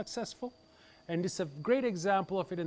dan ini adalah contoh yang bagus di kota ini